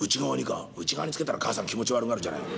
「内側につけたら母さん気持ち悪がるじゃない」。